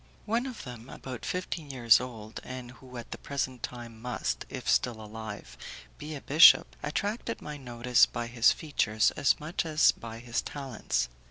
One of them, about fifteen years old, and who at the present time must, if still alive, be a bishop, attracted my notice by his features as much as by his talents.